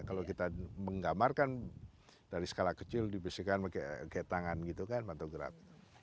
kalau kita menggambarkan dari skala kecil dibersihkan pakai tangan gitu kan matograp